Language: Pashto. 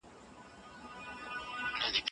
اسلام د اعتدال لاره ښيي.